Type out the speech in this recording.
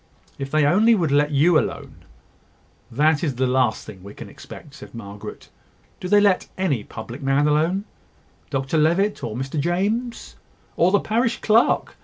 If they only would let you alone " "That is the last thing we can expect," said Margaret. "Do they let any public man alone? Dr Levitt, or Mr James?" "Or the parish clerk?"